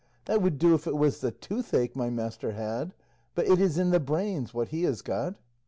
That would do if it was the toothache my master had; but it is in the brains, what he has got."